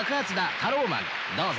タローマン」どうぞ。